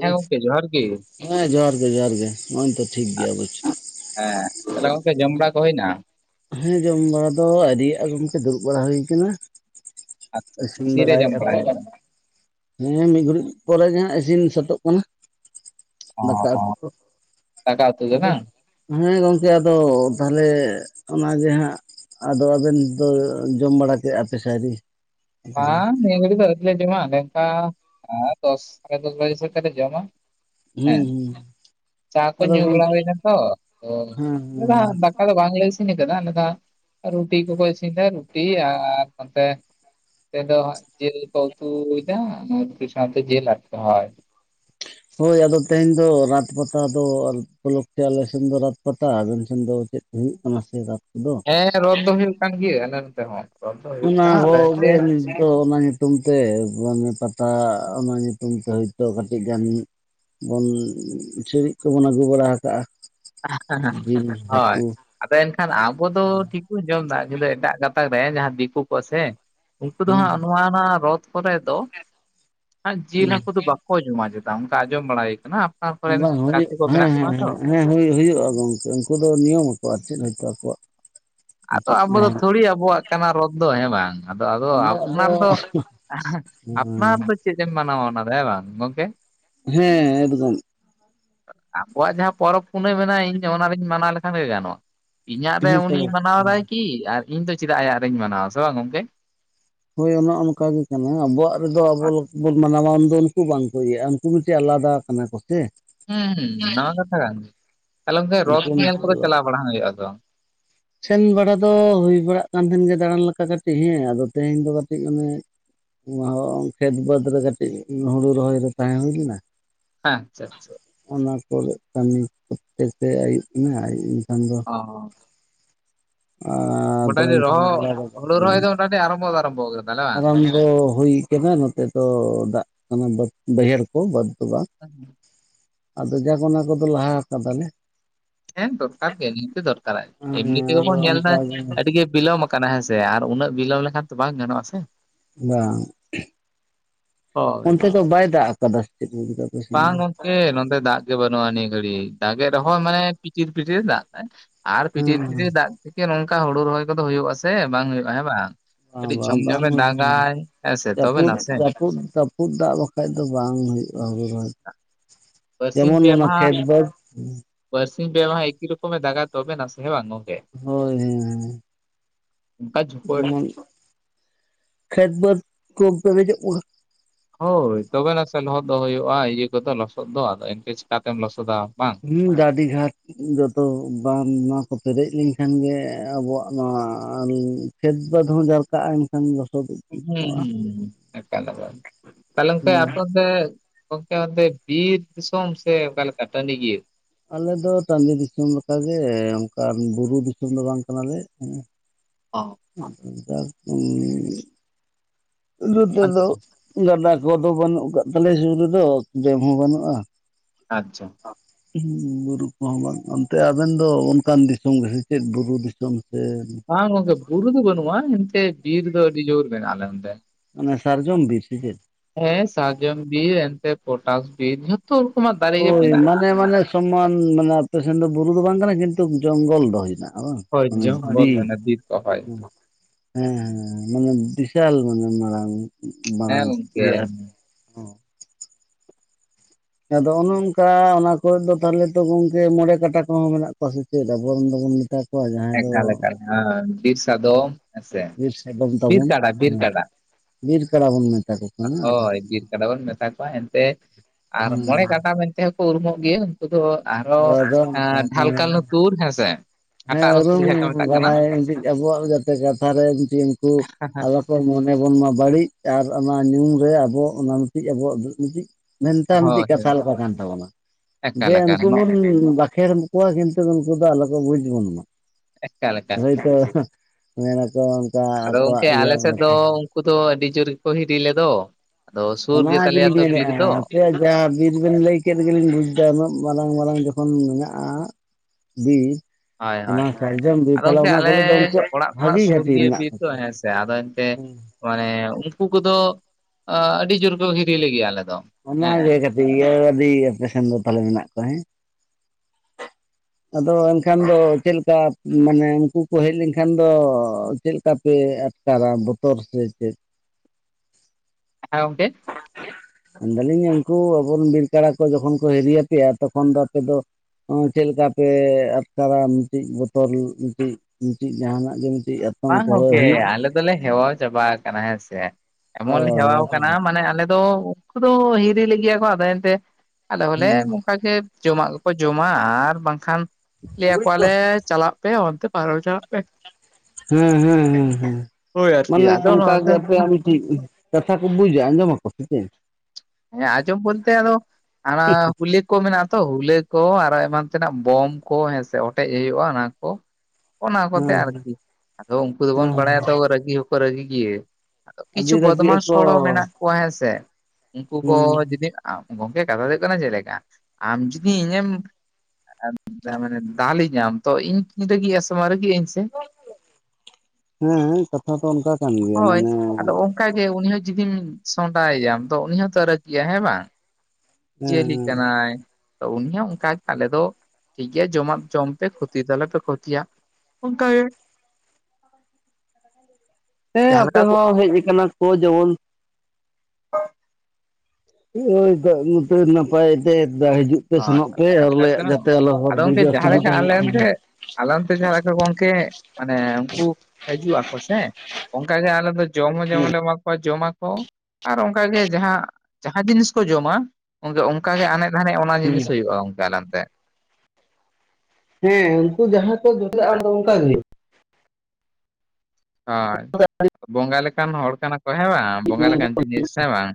ᱦᱮᱸ ᱜᱚᱝᱠᱮ ᱡᱚᱦᱟᱨ ᱜᱮ ᱦᱮᱸ ᱡᱚᱦᱟᱨ ᱜᱮ ᱡᱚᱦᱟᱨ ᱜᱮ ᱱᱚᱜᱼᱚᱭ ᱛᱚ ᱴᱷᱤᱠ ᱜᱮᱭᱟ ᱵᱚᱥ ᱾ ᱦᱮᱸ ᱛᱟᱦᱚᱞᱮ ᱜᱚᱝᱠᱮ ᱡᱚᱢ ᱵᱟᱲᱟ ᱠᱚ ᱦᱩᱭᱱᱟ ᱾ ᱦᱮᱸ ᱡᱚᱢ ᱵᱟᱲᱟ ᱫᱚ ᱟᱹᱭᱨᱤ ᱟ ᱜᱚᱢᱠᱮ ᱫᱩᱲᱩᱵ ᱵᱟᱲᱟ ᱦᱩᱭ ᱠᱟᱱᱟ ᱟᱪᱪᱷᱟ ᱾ ᱟᱪᱪᱷᱟ ᱤᱥᱤᱱ ᱛᱤᱨᱮ ᱡᱚᱢ ᱵᱟᱲᱟᱭᱮᱫ ᱵᱟᱲᱟ ᱟᱠᱚ ᱦᱩᱭᱩᱜ ᱛᱟᱢᱟ ᱾ ᱦᱮᱸ ᱢᱤᱫ ᱜᱷᱟᱹᱲᱤᱡ ᱯᱚᱨᱮ ᱜᱮ ᱦᱟᱸᱜ ᱤᱥᱤᱱ ᱥᱟᱹᱛᱚᱜ ᱠᱟᱱᱟ ᱫᱟᱠᱟ ᱩᱛᱩ ᱠᱚ ᱾ ᱴᱟᱠᱟ ᱩᱛᱩ ᱫᱚ ᱵᱟᱝ ᱦᱳᱭ ᱜᱚᱝᱠᱮ ᱟᱫᱚ ᱛᱟᱦᱚᱞᱮ ᱚᱱᱟ ᱡᱮ ᱦᱟᱸᱜ ᱾ ᱟᱫᱚ ᱟᱵᱮᱱ ᱫᱚ ᱡᱚᱢ ᱵᱟᱲᱟ ᱠᱮᱜᱼᱟ ᱯᱮᱥᱮ ᱟᱹᱣᱨᱤ ᱾ ᱵᱟᱝ ᱱᱤᱭᱟᱹ ᱜᱷᱟᱹᱲᱤᱡ ᱫᱚ ᱟᱣᱨᱤ ᱞᱮ ᱡᱚᱢᱟ ᱚᱱᱠᱟ ᱫᱚᱥ ᱥᱟᱲᱮ ᱫᱚᱥ ᱵᱟᱡᱮ ᱥᱮᱫ ᱛᱮᱞᱮ ᱡᱚᱢᱟ ᱾ ᱦᱮᱸ ᱦᱩᱸ ᱪᱟ ᱠᱚ ᱟᱫᱚ ᱧᱩ ᱵᱟᱲᱟ ᱜᱚᱝᱠᱮ ᱦᱩᱭᱱᱟ ᱛᱚ ᱦᱮᱸ ᱟᱫᱚ [unintelligible] ᱦᱮᱸ ᱦᱟᱸᱜ ᱫᱟᱠ ᱠᱟ ᱫᱚ ᱵᱟᱝᱞᱮ ᱤᱥᱤᱱ ᱠᱟᱫᱟ ᱟᱞᱮ ᱫᱚ ᱨᱩᱴᱤ ᱠᱚᱠᱚ ᱤᱥᱤᱱ ᱫᱟ ᱨᱩᱴᱤ ᱟᱨ ᱱᱚᱛᱮ ᱛᱤᱦᱤᱧ ᱫᱚ ᱡᱮᱞ ᱠᱚ ᱩᱛᱩ ᱦᱳᱭᱱᱟ [unintelligible] ᱥᱟᱶᱛᱮ ᱡᱮᱞ ᱟᱨᱠᱤ ᱦᱚᱭ᱾ ᱦᱳᱭ ᱟᱫᱚ ᱛᱮᱦᱮᱧ ᱫᱚ ᱨᱟᱛ ᱯᱟᱛᱟ ᱫᱚ ᱩᱯᱚᱞᱚᱠᱷᱮ ᱟᱞᱮ ᱥᱮᱱ ᱫᱚ ᱨᱟᱛ ᱯᱟᱛᱟ ᱟᱵᱮᱱ ᱥᱮᱱ ᱫᱚ ᱪᱮᱫ? ᱦᱩᱭᱩᱜ ᱠᱟᱱᱟ ᱥᱮ ᱨᱟᱛ ᱠᱚᱫᱚ᱾ ᱦᱮᱸ ᱨᱚᱫ ᱫᱚ ᱦᱩᱭᱩᱜ ᱠᱟᱱ ᱜᱮᱭᱟ ᱟᱞᱮ ᱱᱚᱛᱮ ᱦᱚᱸ᱾ ᱨᱚᱲ ᱫᱚ ᱦᱩᱭᱩᱜ ᱚᱱᱟ ᱠᱟᱱᱟ ᱟᱫᱚ ᱮᱱᱛᱮ ᱠᱚᱜᱮ ᱱᱤᱛ ᱫᱚ ᱚᱱᱟ ᱧᱩᱛᱩᱢ ᱛᱮ ᱢᱟᱱᱮ ᱯᱟᱛᱟ ᱚᱱᱟ ᱧᱩᱛᱩᱢ ᱛᱮ ᱦᱳᱭᱛᱳ ᱠᱟᱹᱴᱤᱡ ᱜᱟᱱ ᱵᱚᱱ ᱪᱤᱨᱤᱡ ᱠᱚᱵᱚᱱ ᱟᱹᱜᱩ ᱵᱟᱲᱟ ᱟᱠᱟᱜᱼᱟ᱾ ᱡᱤᱞ ᱟ ᱦᱳᱭ ᱦᱟᱹᱠᱩ ᱟᱫᱚ ᱮᱱᱠᱷᱟᱱ ᱟᱵᱚ ᱫᱚ ᱴᱷᱤᱠ ᱡᱚᱢᱫᱟ ᱠᱤᱱᱛᱩ ᱮᱴᱟᱜ ᱜᱟᱛᱟᱠ ᱨᱮ ᱡᱟᱦᱟᱸ ᱫᱤᱠᱩ ᱠᱚ ᱥᱮ ᱩᱝᱠᱩ ᱫᱚ ᱦᱟᱸᱜ ᱱᱚᱣᱟ ᱱᱚᱣᱟ ᱨᱚᱛ ᱠᱚᱨᱮ ᱫᱚ ᱡᱤᱞ ᱦᱟᱹᱠᱩ ᱦᱩᱸ ᱫᱚ ᱵᱟᱠᱚ ᱡᱚᱢᱟ ᱪᱮᱛᱟ ᱚᱝᱠᱟ ᱟᱸᱡᱚᱢ ᱵᱟᱲᱟ ᱦᱩᱭ ᱠᱟᱱᱟ᱾ ᱚᱱᱟ ᱠᱚᱨᱮᱱ ᱵᱟᱝ ᱦᱩᱭᱩᱜ ᱜᱟᱛᱮ ᱠᱚ ᱢᱮᱱᱟᱜ ᱦᱮᱸ ᱠᱚᱣᱟ ᱛᱚ᱾ ᱦᱮᱸ ᱦᱮᱸ ᱦᱳᱭ ᱦᱩᱭᱩᱜᱼᱟ ᱜᱚᱝᱠᱮ ᱩᱝᱠᱩ ᱫᱚ ᱱᱤᱭᱚᱢᱟ ᱠᱚ ᱟᱨ ᱪᱮᱫ ᱦᱳᱭᱛᱳ ᱟᱠᱚᱣᱟᱜ ᱟᱫᱚ ᱢᱤᱫᱴᱤᱡ ᱟᱵᱚ ᱫᱚ ᱡᱟᱦᱟᱸ ᱛᱷᱚᱲᱤ ᱟᱵᱚᱣᱟᱜ ᱠᱟᱱᱟ ᱨᱚᱛ ᱫᱚ ᱦᱮᱸ ᱵᱟᱝ ᱟᱫᱚ ᱟᱫᱚ ᱟᱯᱱᱟᱨ ᱫᱚ ᱟᱯᱱᱟᱨ ᱫᱚ ᱪᱮᱫ ᱮᱢ ᱢᱟᱱᱟᱣᱟ ᱚᱱᱟ ᱫᱚ ᱦᱮᱸ ᱵᱟᱝ ᱜᱚᱢᱠᱮ? ᱦᱮᱸ ᱮᱠᱫᱚᱢ ᱟᱵᱚᱣᱟᱜ ᱡᱟᱦᱟᱸ ᱯᱚᱨᱚᱵᱽ ᱯᱩᱱᱟᱹᱭ ᱢᱮᱱᱟᱜᱼᱟ ᱤᱧ ᱚᱱᱟᱨᱤᱧ ᱢᱟᱱᱟᱣ ᱞᱮᱠᱷᱟᱱ ᱜᱮ ᱜᱟᱱᱚᱜᱼᱟ᱾ ᱤᱧᱟᱹᱜ ᱨᱮ ᱦᱮᱸᱛᱚ ᱩᱱᱤ ᱢᱟᱱᱟᱣ ᱮᱫᱟᱭ ᱠᱤ ᱟᱨ ᱤᱧ ᱫᱚ ᱪᱮᱫᱟᱜ ᱟᱭᱟᱜ ᱨᱤᱧ ᱢᱟᱱᱟᱣᱟ ᱟ ᱥᱮ ᱵᱟᱝ ᱜᱚᱝᱠᱮ? ᱦᱳᱭ ᱚᱱᱮ ᱚᱱᱠᱟ ᱜᱮ ᱠᱟᱱᱟ ᱟᱵᱚᱣᱟᱜ ᱨᱮᱫᱚ ᱟᱵᱚ ᱵᱚᱱ ᱢᱟᱱᱟᱣ ᱫᱚ ᱩᱱᱠᱩ ᱵᱟᱝᱠᱚ ᱤᱭᱟᱹᱜᱼᱟ᱾ ᱠᱩᱢᱤᱴᱤ ᱟᱞᱟᱫᱟ ᱠᱟᱱᱟ ᱠᱚ ᱥᱮ᱾ ᱦᱩᱸ ᱱᱟᱣᱟ ᱠᱟᱛᱷᱟ ᱠᱟᱱ ᱜᱮ ᱛᱟᱞᱮ ᱚᱝᱠᱮ ᱨᱚᱛ ᱩᱱᱠᱩ ᱧᱮᱞ ᱢᱤᱫᱴᱮᱡ ᱠᱚᱫᱚ ᱪᱟᱞᱟᱣ ᱵᱟᱲᱟ ᱦᱩᱭᱩᱜᱼᱟ ᱥᱮ ᱵᱟᱝ? ᱥᱮᱱ ᱵᱟᱲᱟ ᱫᱚ ᱦᱩᱭ ᱵᱟᱲᱟᱜ ᱠᱟᱱ ᱛᱟᱦᱮᱸᱱ ᱜᱮ ᱫᱟᱬᱟᱱ ᱞᱮᱠᱟ ᱠᱟᱹᱴᱤᱡ ᱦᱮᱸ ᱟᱫᱚ ᱛᱮᱦᱮᱧ ᱫᱚ ᱠᱟᱹᱴᱤᱡ ᱚᱱᱮ ᱱᱚᱣᱟ ᱦᱚᱸ ᱠᱷᱮᱛ ᱵᱟᱫᱽ ᱨᱮ ᱠᱟᱹᱴᱤᱡ ᱦᱩᱲᱩ ᱨᱚᱦᱚᱭ ᱨᱮ ᱛᱟᱦᱮᱸ ᱦᱩᱭᱞᱮᱱᱟ᱾ ᱦᱟᱸᱪᱷᱟ ᱟᱪᱷᱟ ᱚᱱᱟ ᱠᱚᱨᱮ ᱠᱟᱹᱢᱤ ᱠᱚᱛᱮᱛᱮ ᱟᱹᱭᱩᱵ ᱮᱱᱟ ᱟᱹᱭᱩᱵ ᱮᱱᱠᱷᱟᱱ ᱫᱚ ᱚ ᱟᱨ ᱢᱚᱴᱟᱭᱱᱤ ᱨᱚᱦ ᱦᱩᱰᱩ ᱨᱚᱦᱚᱭ ᱫᱚ ᱢᱟᱴᱟᱢᱩᱴᱤ ᱟᱨᱟᱢᱵᱷ ᱫᱚ ᱟᱨᱚᱢᱵᱷ ᱠᱟᱱᱟ ᱟᱨᱟᱵᱚ ᱦᱩᱭ ᱠᱟᱱᱟ ᱱᱚᱛᱮ ᱫᱚ ᱫᱟᱜ ᱠᱟᱱᱟ ᱵᱟᱹᱫᱽ ᱵᱟᱹᱭᱦᱟᱹᱲ ᱠᱚ ᱵᱟᱹᱫᱽ ᱫᱚ ᱵᱟᱝ ᱾ [inaudible] ᱟᱫᱚ ᱡᱟᱠ ᱚᱱᱟ ᱠᱚ ᱫᱚ ᱞᱟᱦᱟ ᱟᱠᱟᱫᱟᱞᱮ᱾ ᱦᱮᱸ ᱫᱚᱨᱠᱟᱨ ᱜᱮ ᱮᱢᱱᱤ ᱛᱮ ᱫᱚᱨᱠᱟᱨᱟ ᱦᱮᱸ ᱮᱢᱱᱤ ᱛᱮ ᱟᱫᱚ ᱵᱚᱱ ᱧᱮᱞ ᱫᱟ ᱚᱱᱠᱟ ᱟᱹᱰᱤ ᱜᱮ ᱵᱤᱞᱚᱢ ᱠᱟᱱᱟ ᱦᱮᱸ ᱥᱮ ᱟᱨ ᱩᱱᱟᱹᱜ ᱵᱤᱞᱚᱢ ᱞᱮᱠᱷᱟᱱ ᱛᱚ ᱵᱟᱝ ᱜᱟᱱᱚᱜᱼᱟ ᱥᱮ᱾ ᱵᱟᱝ ᱦᱳᱭ ᱚᱱᱛᱮ ᱫᱚ ᱵᱟᱭ ᱫᱟᱜ ᱟᱠᱟᱫᱟ ᱥᱮ ᱪᱮᱫ ᱜᱚᱢᱠᱮ ᱵᱟᱝ ᱜᱚᱝᱠᱮ ᱱᱚᱛᱮ ᱫᱟᱜ ᱜᱮ ᱵᱟᱹᱱᱩᱜᱼᱟ ᱱᱤᱭᱟᱹ ᱜᱷᱟᱹᱲᱤᱡ ᱫᱟᱜ ᱮ ᱨᱮᱦᱚᱸ ᱢᱟᱱᱮ ᱯᱤᱴᱤᱨ ᱯᱤᱴᱤᱨ ᱫᱟᱜ ᱫᱟᱭ ᱟᱨ ᱦᱮᱸ ᱯᱤᱴᱤᱨ ᱯᱤᱴᱤᱨ ᱫᱟᱜ ᱛᱮᱠᱤ ᱱᱚᱝᱠᱟ ᱦᱳᱲᱳ ᱨᱚᱦᱚᱭ ᱠᱚᱫᱚ ᱦᱳᱭᱳᱜ ᱟᱥᱮ ᱵᱟᱝ ᱦᱳᱭᱳᱜᱼᱟ ᱦᱮᱸ ᱵᱟᱝ᱾ ᱟᱰᱤ ᱡᱷᱚᱢ ᱵᱟᱝ ᱵᱟᱝ ᱡᱷᱚᱢᱮ ᱫᱟᱜᱟᱭ ᱦᱮᱸ ᱥᱮ ᱛᱚᱵᱮ ᱱᱟᱥᱮ᱾ ᱠᱩᱫ ᱫᱟᱯ ᱯᱩᱫ ᱫᱟᱜ ᱵᱟᱠᱷᱟᱡ ᱫᱚ ᱵᱟᱝ ᱦᱩᱭᱩᱜᱼᱟ ᱦᱩᱲᱩ ᱨᱚᱦᱚᱭ᱾ ᱡᱮᱢᱚᱱ ᱚᱱᱟ ᱠᱮᱴᱵᱚᱴ᱾ ᱵᱟᱨ ᱥᱤᱧ ᱞᱮ ᱢᱟᱦᱟ ᱚᱠᱤ ᱨᱚᱠᱚᱢᱮ ᱫᱟᱜᱼᱟ ᱛᱚᱵᱮ ᱱᱟᱥᱮ ᱦᱮᱸ ᱵᱟᱝ ᱜᱚᱝᱠᱮ᱾ ᱦᱚᱭ [unintelligible] ᱚᱱᱠᱟ ᱡᱷᱩᱯᱟᱹ ᱡᱮᱢᱚᱱ ᱠᱷᱮᱛ ᱵᱟᱹᱫᱽ ᱠᱚ ᱯᱮᱨᱮᱪᱭᱟᱜᱼᱢᱟ᱾ ᱦᱚᱭ ᱛᱚᱵᱮ ᱱᱟᱥᱮ ᱞᱚᱦᱚᱫ ᱫᱚ ᱦᱩᱭᱩᱜᱼᱟ ᱤᱭᱟᱹ ᱠᱚ ᱫᱚ ᱞᱚᱥᱚᱫ ᱫᱚ ᱟᱫᱚ ᱤᱱᱠᱟᱹ ᱪᱤᱠᱟ ᱛᱮᱢ ᱞᱚᱥᱚᱫ-ᱟ ᱵᱟᱝ ᱾ ᱦᱩᱸ ᱫᱟᱫᱤ ᱜᱷᱟᱴ᱾ ᱡᱚᱛᱚ ᱵᱟᱱ ᱱᱚᱣᱟ ᱠᱚ ᱯᱮᱨᱮᱡ ᱞᱮᱱᱠᱷᱟᱱ ᱜᱮ ᱟᱵᱚᱣᱟᱜ ᱢᱟ ᱟ. ᱱᱤ ᱠᱷᱮᱛ ᱵᱟᱹᱫᱽ ᱦᱚᱸ ᱡᱟᱨᱠᱟᱜ-ᱟ ᱦᱟᱱᱤ ᱞᱚᱥᱚᱫᱤᱡ᱾ ᱦᱩᱻ ᱦᱩᱻ ᱮᱠᱟᱞ ᱮᱠᱟᱞ ᱛᱟᱦᱞᱮ ᱜᱚᱝᱠᱮ ᱦᱩᱸ ᱟᱯᱮ ᱚᱱᱛᱮᱼᱼ ᱜᱚᱝᱠᱮ ᱚᱱᱛᱮ ᱵᱤᱨ ᱫᱤᱥᱚᱢ ᱥᱮ ᱚᱠᱟ ᱞᱮᱠᱟ ᱴᱟᱺᱰᱤ ᱜᱮᱭᱟ ᱟᱞᱮ ᱫᱚ ᱴᱟᱺᱰᱤ ᱫᱤᱥᱚᱢ ᱞᱮᱠᱟ ᱜᱮ ᱚᱱᱠᱟ ᱵᱩᱨᱩ ᱫᱤᱥᱚᱢ ᱫᱚ ᱵᱟᱝ ᱠᱟᱱᱟ ᱞᱮ ᱦᱮᱸ᱾ ᱚ [unintelligible] ᱱᱚᱛᱮ ᱫᱚ᱾ ᱟᱪᱪᱷᱟ ᱜᱟᱰᱟ ᱠᱚᱫᱚ ᱵᱟᱹᱱᱩᱜ ᱠᱟᱜ ᱛᱟᱞᱮᱭᱟ ᱥᱩᱨ ᱨᱮᱫᱚ ᱰᱮᱢ ᱦᱚᱸ ᱵᱟᱹᱱᱩᱜᱼᱟ᱾ ᱟᱪᱪᱷᱟ᱾ [unintelligible] ᱦᱩᱸ ᱵᱩᱨᱩ ᱠᱚᱦᱚᱸ ᱵᱟᱱᱩ ᱟᱱᱛᱮ ᱟᱵᱮᱱ ᱫᱚ ᱚᱱᱠᱟᱱ ᱫᱤᱥᱚᱢ ᱜᱮ ᱥᱮ ᱪᱮᱫ ᱵᱩᱨᱩ ᱫᱤᱥᱚᱢ ᱥᱮᱼᱼ ᱵᱟᱝ ᱜᱚᱝᱠᱮ ᱵᱩᱨᱩ ᱫᱚ ᱵᱟᱱᱩᱜᱼᱟ ᱮᱱᱛᱮ ᱵᱤᱨ ᱫᱚ ᱟᱹᱰᱤ ᱡᱳᱨ ᱢᱮᱱᱟᱜᱼᱟ ᱟᱞᱮ ᱚᱱᱛᱮ᱾ ᱚᱱᱟ ᱥᱟᱨᱡᱚᱢ ᱵᱤᱨ ᱥᱮ ᱪᱮᱫ᱾ ᱦᱮᱸ ᱥᱟᱨᱡᱚᱢ ᱵᱤᱨ ᱮᱱᱛᱮ ᱯᱚᱴᱟᱥ ᱵᱤᱨ ᱡᱷᱚᱛᱚ ᱨᱚᱠᱚᱢᱟᱜ ᱫᱟᱨᱮ ᱜᱮ ᱦᱳᱭ ᱢᱮᱱᱟᱜᱼᱟ᱾ ᱢᱟᱱᱮ ᱢᱟᱱᱮ ᱥᱚᱢᱟᱱ ᱢᱟᱱᱮ ᱟᱯᱮ ᱥᱮᱱ ᱫᱚ ᱵᱩᱨᱩ ᱫᱚ ᱵᱟᱝ ᱠᱟᱱᱟ ᱠᱤᱱᱛᱩ ᱡᱚᱝᱜᱚᱞ ᱫᱚ ᱦᱳᱭ ᱦᱮᱱᱟᱜ [unintelligible] ᱡᱚᱝᱜᱚᱞ ᱟᱰᱤ᱾ [inaudible] ᱦᱮᱸ ᱢᱮᱱᱟᱜᱼᱟ ᱵᱤᱨ ᱠᱚ ᱦᱳᱭ ᱦᱮᱸ ᱢᱟᱱᱮ ᱵᱤᱥᱟᱞ ᱢᱟᱱᱮ ᱢᱟᱨᱟᱝ [inaudible] ᱦᱮᱸ ᱢᱟᱨᱟᱝ᱾ ᱜᱚᱝᱠᱮ [unintelligible] ᱟᱫᱚ ᱚᱱᱮ ᱚᱱᱠᱟ ᱚᱱᱟ ᱠᱚᱨᱮ ᱫᱚ ᱛᱟᱦᱚᱞᱮ ᱛᱚ ᱜᱚᱝᱠᱮ ᱢᱚᱬᱮ ᱠᱟᱴᱟ ᱠᱚᱦᱚᱸ ᱢᱮᱱᱟᱜ ᱠᱚᱣᱟ ᱥᱮ ᱪᱮᱫ ᱟᱵᱚᱨᱤᱱ ᱫᱚ ᱵᱚᱱ ᱢᱮᱛᱟ ᱠᱚᱣᱟ ᱡᱟᱦᱟᱸᱭ ᱫᱚ ᱮᱠᱟᱞ ᱮᱠᱟᱞ ᱦᱮ ᱵᱤᱨ ᱥᱟᱫᱚᱢ ᱦᱮᱸᱥᱮ ᱵᱤᱨ ᱥᱟᱫᱚᱢ ᱵᱤᱨ ᱛᱟᱵᱚᱱ ᱠᱟᱰᱟ ᱵᱤᱨ ᱠᱟᱰᱟ ᱵᱤᱨ ᱠᱟᱲᱟ ᱵᱚᱱ ᱢᱮᱛᱟ ᱠᱚ ᱠᱟᱱᱟ ᱟᱵᱚ ᱫᱚ᱾ ᱦᱳᱭ ᱵᱤᱨ ᱠᱟᱰᱟ ᱵᱚᱱ ᱢᱮᱛᱟ ᱠᱚᱣᱟ ᱮᱱᱛᱮ ᱟᱨ ᱦᱮᱸ ᱢᱚᱬᱮ ᱠᱟᱴᱟ ᱢᱮᱱ ᱛᱮᱦᱚᱸ ᱠᱚ ᱩᱨᱩᱢᱚᱜ ᱜᱮᱭᱟ ᱩᱱᱠᱩ ᱫᱚ ᱟᱨᱦᱚ ᱟᱵᱚ ᱫᱚ ᱚᱱᱠᱟ ᱠᱚ ᱰᱷᱟᱞᱠᱟ ᱢᱮᱱᱟ ᱞᱩᱛᱩᱨ ᱦᱮᱸ ᱥᱮ ᱦᱮᱸ ᱩᱨᱩᱢ ᱵᱟᱰᱟᱭ [unintelligible] ᱟᱵᱚᱣᱟᱜ ᱫᱚ ᱡᱟᱛᱮ ᱠᱟᱛᱷᱟᱨᱮ᱾ [unintelligible] ᱟᱵᱚᱣᱟᱜ ᱢᱚᱱᱮ ᱵᱚᱱ ᱢᱟ ᱵᱟᱹᱲᱤᱡ ᱟᱨ ᱚᱱᱟ ᱧᱩᱢ ᱨᱮ ᱟᱵᱚ ᱚᱱᱟ ᱢᱤᱫᱴᱤᱡ ᱟᱵᱚᱣᱟᱜ ᱢᱤᱫᱴᱤᱡ᱾ ᱢᱮᱱᱛᱟ ᱢᱤᱫᱴᱤᱡ ᱦᱳᱭ ᱦᱳᱭ ᱠᱟᱛᱷᱟ ᱞᱮᱠᱟ ᱠᱟᱱ ᱛᱟᱵᱚᱱᱟ ᱮᱠᱟᱞ ᱡᱮ ᱮᱠᱟᱞ ᱩᱱᱠᱩ ᱱᱚ ᱵᱚᱱ ᱵᱟᱼᱼ ᱯᱷᱮᱨ ᱩᱱᱠᱚᱣᱟᱜ ᱠᱤᱱᱛᱩ ᱩᱱᱠᱩᱫᱚ ᱟᱞᱚ ᱠᱚ ᱵᱩᱡᱽ ᱵᱚᱱ ᱢᱟ ᱮᱠᱟᱞ ᱮᱠᱟᱞ ᱦᱚᱭᱛᱚᱼᱼ ᱢᱮᱱᱟᱠᱚ ᱚᱱᱠᱟ ᱟᱫᱚ ᱟᱠᱚᱣᱟᱜ ᱜᱚᱝᱠᱮ ᱤᱭᱟᱹ ᱟᱞᱮ [inaudible] ᱥᱮᱫ ᱫᱚ ᱩᱱᱠᱩ ᱫᱚ ᱟᱹᱰᱤ ᱡᱳᱨ ᱜᱮᱠᱚ ᱦᱤᱨᱤ ᱞᱮᱫᱚ᱾ ᱟᱫᱚ ᱥᱩᱨ ᱚᱱᱟ ᱜᱮᱛᱟᱞᱮᱭᱟ ᱜᱮᱞᱤᱧ ᱛᱚ ᱵᱤᱨ ᱫᱚ ᱢᱮᱱᱮᱣᱟ ᱟᱯᱮ [unintelligible] ᱦᱳᱭ ᱡᱟᱦᱟᱸ ᱵᱤᱨᱵᱤᱱ ᱞᱟᱹᱭ ᱠᱮᱫ ᱜᱮᱞᱤᱧ ᱵᱩᱡ ᱫᱟ ᱩᱱᱟᱹᱜ ᱢᱟᱨᱟᱝ ᱢᱟᱨᱟᱝ ᱡᱚᱠᱷᱚᱱ ᱢᱮᱱᱟᱜᱼᱟ ᱵᱤᱨᱼᱼ ᱦᱳᱭ ᱦᱳᱭ ᱟᱫᱚ ᱜᱚᱝᱠᱮ ᱟᱞᱮ ᱫᱚ ᱩᱱᱠᱩᱣᱟᱜ ᱚᱲᱟᱜ ᱠᱷᱚᱱᱟᱜ ᱵᱷᱟᱹᱜᱤ ᱥᱩᱨ ᱜᱷᱟᱹᱴᱤ ᱜᱮᱭᱟ ᱢᱮᱱᱟᱜ ᱵᱤᱨ ᱛᱟᱠᱚᱣᱟ ᱫᱚ ᱦᱮᱸᱥᱮ ᱟᱫᱚ ᱮᱱᱛᱮᱼᱼ ᱦᱳᱭ ᱩᱱᱠᱩ ᱠᱚᱫᱚ ᱟᱸ ᱟᱹᱰᱤ ᱡᱳᱨ ᱠᱚ ᱦᱤᱨᱤ ᱞᱮ ᱜᱮᱭᱟ ᱟᱞᱮ ᱫᱚ ᱾ ᱚᱱᱟᱜᱮ ᱠᱟᱹᱴᱤᱡ ᱤᱭᱟᱹ ᱟᱹᱰᱤ ᱟᱯᱮᱥᱮᱱ ᱫᱚ ᱛᱟᱦᱞᱮ ᱢᱮᱱᱟᱜ ᱠᱚᱣᱟ ᱦᱮᱸ? ᱟᱫᱚ ᱮᱱᱠᱷᱟᱱ ᱫᱚ ᱪᱮᱫᱞᱠᱟ ᱢᱟᱱᱮ ᱩᱝᱠᱩ ᱠᱚ ᱦᱮᱡ ᱞᱮᱱᱠᱷᱟᱱ ᱫᱚ ᱪᱮᱫᱞᱠᱟ ᱯᱮ ᱠᱟᱨᱟ ᱵᱚᱛᱚᱨ ᱥᱮ ᱪᱮᱫ? ᱦᱮᱸ ᱜᱚᱝᱠᱮ ᱢᱮᱱᱫᱟᱞᱤᱧ ᱩᱱᱠᱩ ᱟᱵᱚᱨᱮᱱ ᱵᱤᱨ ᱠᱟᱲᱟ ᱠᱚ ᱡᱚᱠᱷᱚᱱ ᱠᱚ ᱦᱤᱨᱤᱭ ᱟᱯᱮᱭᱟ ᱛᱚᱠᱷᱚᱱ ᱫᱚ ᱟᱯᱮ ᱫᱚ ᱚᱸ ᱪᱮᱫ ᱞᱮᱠᱟ ᱯᱮ ᱟᱴᱟᱨᱟ ᱢᱤᱴᱤᱡ ᱵᱚᱛᱚᱨ ᱢᱤᱴᱤᱡ ᱢᱤᱫᱴᱤᱡ ᱡᱟᱦᱟᱱᱟᱜ ᱜᱮ ᱢᱤᱫᱴᱤᱡ ᱵᱟᱝ ᱟᱛᱚᱝᱠᱚ ᱜᱚᱝᱠᱮ ᱦᱩᱭᱩᱜ ᱟᱞᱮ ᱫᱚᱞᱮ ᱦᱮᱣᱟ ᱪᱟᱵᱟ ᱟᱠᱟᱱᱟ ᱦᱮᱸ ᱥᱮ ᱚ ᱮᱢᱚᱱ ᱞᱮ ᱦᱮᱣᱟᱣᱟ ᱠᱟᱱᱟ ᱢᱟᱱᱮ ᱟᱞᱮ ᱫᱚ ᱩᱝᱠᱩ ᱫᱚ ᱦᱤᱨᱤ ᱞᱮᱜᱮᱭᱟ ᱠᱚ ᱟᱫᱚ ᱮᱱᱛᱮ ᱟᱞᱮ ᱦᱚᱞᱮ ᱚᱝᱠᱟᱜᱮ ᱡᱚᱢᱟᱜ ᱜᱮᱠᱚ ᱡᱚᱢᱟ ᱟᱨ ᱵᱟᱝᱠᱷᱟᱱ ᱞᱟᱹᱭᱟ ᱠᱚᱣᱟᱞᱮᱼᱼ ᱪᱟᱞᱟᱜ ᱯᱮ ᱚᱱᱛᱮ ᱯᱟᱨᱚᱢ ᱪᱟᱞᱟᱜ ᱯᱮ᱾ ᱦᱮᱸ ᱦᱮᱸ ᱦᱮᱸ ᱦᱮᱸ ᱦᱳᱭ ᱟᱨᱠᱤ ᱢᱟᱱᱮ ᱟᱫᱚ ᱚᱱᱠᱟ ᱱᱚᱛᱮ ᱜᱮ ᱟᱯᱮᱭᱟ [unintelligible] ᱠᱟᱛᱷᱟ ᱠᱚ ᱵᱩᱡᱼᱟ ᱟᱸᱡᱚᱢ ᱠᱚ ᱥᱮ ᱪᱮᱫ? ᱦᱮᱸ ᱟᱡᱚᱢ ᱵᱚᱞᱛᱮ ᱟᱫᱚ ᱦᱟᱱᱟ ᱦᱩᱞᱮᱠ ᱠᱚ ᱢᱮᱱᱟᱜ ᱛᱚ ᱦᱩᱞᱟᱹ ᱠᱚ ᱟᱨᱚ ᱮᱢᱟᱱ ᱛᱮᱱᱟᱜ ᱵᱚᱢ ᱠᱚ ᱦᱮᱸᱥᱮ ᱚᱴᱮᱡ ᱦᱩᱭᱩᱜᱼᱟ ᱚᱱᱟ ᱠᱚ᱾ ᱚᱱᱟ ᱠᱚᱛᱮ ᱦᱮᱸ ᱦᱮᱸ ᱟᱨᱠᱤ ᱟᱫᱚ ᱩᱝᱠᱩ ᱫᱚᱵᱚᱱ ᱦᱮᱸ ᱵᱟᱲᱟᱭᱟ ᱛᱚ ᱨᱟᱹᱜᱤ ᱦᱚᱸᱠᱚ ᱨᱟᱹᱜᱤ ᱜᱮᱭᱟᱹ᱾ ᱟᱫᱚ ᱠᱤᱪᱷᱩ ᱟᱹᱵᱤᱱ ᱨᱟᱹᱜᱤᱜ ᱵᱚᱫᱢᱟᱥ ᱟᱠᱚ ᱦᱚᱲ ᱦᱚᱸ ᱢᱮᱱᱟᱜ ᱠᱚᱣᱟ ᱦᱮᱸ ᱥᱮ᱾ ᱩᱝᱠᱩ ᱠᱚ ᱦᱮᱸ ᱡᱩᱫᱤ ᱟᱢ ᱜᱚᱝᱠᱮ ᱠᱟᱛᱷᱟ ᱫᱚ ᱦᱩᱭᱩᱜ ᱠᱟᱱᱟ ᱪᱮᱜ ᱞᱮᱠᱟ ᱟᱢ ᱡᱩᱫᱤ ᱤᱧᱮᱢ ᱢᱟᱱᱮ ᱫᱟᱞᱤᱧ ᱧᱟᱢ ᱛᱚ ᱤᱧ ᱨᱟᱜᱤᱜ ᱟᱹᱧ ᱥᱮ ᱵᱟᱝ ᱨᱮᱜᱤ ᱤᱧ ᱥᱮ᱾ ᱦᱮᱸ ᱠᱟᱛᱷᱟ ᱛᱚ ᱚᱱᱠᱟ ᱠᱟᱱ ᱜᱮᱭᱟ ᱢᱟᱱᱮ ᱠᱟᱜ ᱜᱮ ᱩᱱᱤ ᱦᱚᱸ ᱡᱩᱫᱤᱢ ᱥᱚᱸᱰᱟᱭᱟᱢ ᱛᱚ ᱩᱱᱤ ᱦᱚᱸᱛᱚ ᱨᱟᱜᱤᱜᱼᱟᱭ ᱦᱮᱸ ᱵᱟᱝ᱾ ᱦᱮᱸ ᱡᱤᱭᱟᱹᱞᱤ ᱠᱟᱱᱟᱭ᱾ ᱛᱚ ᱩᱱᱤ ᱦᱚᱸ ᱚᱱᱠᱟᱜᱮ ᱟᱞᱮ ᱫᱚ ᱴᱷᱤᱠ ᱜᱮ ᱡᱚᱢᱟᱜ ᱡᱚᱢ ᱯᱮ ᱠᱷᱚᱛᱤ ᱫᱚ ᱟᱞᱚᱯᱮ ᱠᱷᱚᱛᱤᱭᱟ᱾ ᱚᱱᱠᱟᱜᱮ᱾ ᱦᱮᱸ ᱡᱟᱦᱟᱸ ᱟᱠᱚ ᱞᱮᱠᱟ ᱠᱚ ᱦᱚᱸ ᱦᱮᱡ ᱟᱠᱟᱱᱟ ᱠᱚ ᱡᱮᱢᱚᱱ [inaudible] ᱳᱭ ᱫᱟᱜ ᱱᱩᱛᱮ ᱱᱟᱯᱟᱭ ᱛᱮ ᱫᱟᱜ ᱦᱤᱡᱩᱜ ᱯᱮ ᱦᱳᱭ ᱥᱮᱱᱚᱜ ᱯᱮ ᱠᱟᱛᱷᱟ ᱟᱨᱞᱮ ᱦᱩᱭᱩᱜ ᱠᱟᱱᱟ ᱡᱟᱛᱮ ᱱᱚᱣᱟ ᱟᱞᱚ ᱦᱚᱨ ᱟᱫᱚ ᱵᱤᱨ ᱜᱚᱝᱠᱮ ᱨᱮ ᱡᱟᱦᱟᱸ ᱞᱮᱠᱟ ᱚᱥᱩᱵᱤᱫᱟ ᱟᱞᱮ ᱦᱩᱭᱩᱜ ᱚᱱᱛᱮ ᱟᱞᱮ ᱚᱱᱛᱮ ᱡᱟᱦᱟᱸ ᱫᱚ ᱜᱚᱝᱠᱮ ᱢᱟᱱᱮ ᱩᱱᱠᱩ ᱦᱤᱡᱩᱜ ᱟᱠᱚ ᱥᱮ ᱚᱱᱠᱟ ᱜᱮ ᱟᱞᱮ ᱫᱚ ᱡᱚᱢ ᱦᱚᱸ ᱡᱮᱢᱱ ᱞᱮ ᱮᱢᱟ ᱠᱚᱣᱟ ᱡᱚᱢᱟ ᱠᱚ, ᱟᱨ ᱚᱱᱠᱟᱜᱮ ᱡᱟᱦᱟᱸ ᱡᱟᱦᱟᱸ ᱡᱤᱱᱤᱥ ᱠᱚ ᱡᱚᱢᱟ ᱮ ᱚᱱᱠᱟᱜᱮ ᱟᱱᱮᱡ ᱫᱟᱱᱮᱡ ᱚᱱᱟ ᱡᱤᱱᱤᱥ ᱦᱩᱭᱩᱜ ᱦᱩᱭᱩᱜᱼᱟ ᱟᱞᱮ ᱚᱱᱛᱮ᱾ ᱦᱮᱸ ᱩᱱᱠᱩ ᱡᱟᱦᱟᱸ ᱠᱚ ᱡᱚᱴᱮᱫᱟᱜ ᱚᱱᱠᱟ ᱜᱮ ᱦᱩᱭᱩᱜᱼᱟ᱾ ᱦᱳᱭ ᱵᱚᱸᱜᱟ ᱞᱮᱠᱟᱱ ᱦᱚᱲ ᱠᱟᱱᱟ ᱠᱚ ᱦᱮᱸ ᱵᱟᱝ ᱵᱚᱸᱜᱟ ᱞᱮᱠᱟᱱ ᱡᱤᱱᱤᱥ ᱦᱮᱸ ᱵᱟᱝ᱾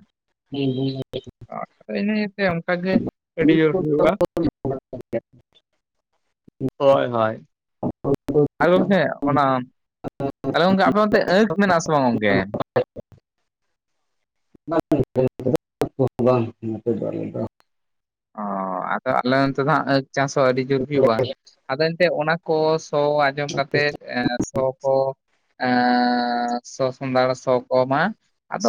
[unintelligible] ᱟᱸᱜ ᱤᱱᱟᱹ ᱤᱭᱟᱹᱛᱮ ᱚᱱᱠᱟᱜ ᱜᱮ ᱟᱹᱰᱤ ᱡᱳᱨ ᱵᱷᱤᱲᱚᱜᱼᱟ᱾ [unintelligible] ᱦᱳᱭ ᱦᱳᱭ᱾ ᱟᱞᱮ ᱥᱮᱫ ᱚᱱᱟ, ᱜᱚᱢᱠᱮ ᱚᱱᱟ ᱛᱟᱦᱚᱞᱮ ᱜᱚᱝᱠᱮ ᱟᱯᱮ ᱱᱚᱛᱮ ᱟᱸᱠ ᱢᱮᱱᱟᱜ ᱟᱥᱮ ᱵᱟᱝ ᱜᱚᱝᱠᱮ? [unintelligible] ᱵᱟᱝ ᱱᱚᱛᱮ ᱫᱚ ᱟᱞᱮ ᱫᱚ ᱚᱻ ᱟᱫᱚ ᱟᱞᱮ ᱚᱱᱛᱮ ᱫᱚ ᱦᱟᱜ ᱟᱸᱠ ᱪᱟᱥ ᱦᱚᱸ ᱟᱹᱰᱤ ᱡᱳᱨ ᱦᱩᱭᱩᱜᱼᱟ᱾ ᱟᱫᱚ ᱮᱱᱛᱮᱫ ᱚᱱᱟ ᱠᱚ ᱥᱚ ᱟᱸᱡᱚᱢ ᱠᱟᱛᱮᱫ ᱥᱚ ᱥᱚ ᱮᱸᱻ ᱥᱚ ᱥᱚᱸᱫᱷᱟᱲ ᱥᱚ ᱠᱚᱢᱟ ᱟᱫᱚ